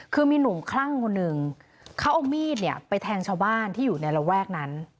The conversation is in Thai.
คือมีหนุ่มคลั่งคนหนึ่งเขาเอามีดเนี่ยไปแทงชาวบ้านที่อยู่ในระแวกนั้น